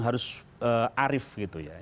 harus arif gitu ya